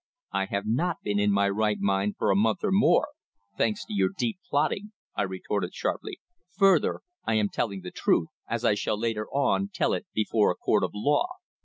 "I have not been in my right mind for a month or more thanks to your deep plotting," I retorted sharply. "Further, I am telling the truth as I shall later on tell it before a court of law.